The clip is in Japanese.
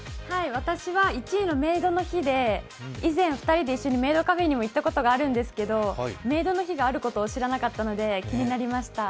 私は、１位のメイドの日で、以前２人で一緒にメイドカフェにも行ったことがあるんですけどメイドの日があることを知らなかったので、気になりました。